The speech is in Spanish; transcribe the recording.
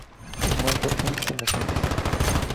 Documentos e Instalaciones"".